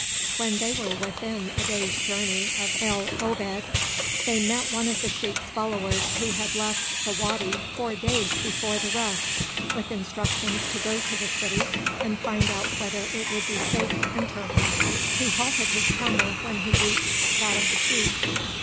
When they were within a day's journey of El Obeid they met one of the sheik's followers who had left the wady four days before the rest with instructions to go to the city and find out whether it would be safe to enter. He halted his camel when he reached that of the sheik.